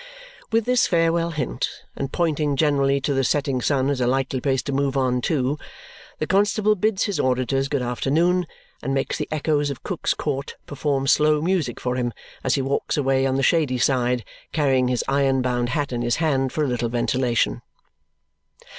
With this farewell hint and pointing generally to the setting sun as a likely place to move on to, the constable bids his auditors good afternoon and makes the echoes of Cook's Court perform slow music for him as he walks away on the shady side, carrying his iron bound hat in his hand for a little ventilation.